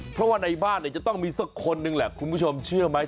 เพราะว่าในบ้านเนี่ยจะต้องมีสักคนหนึ่งแหละคุณผู้ชมเชื่อไหม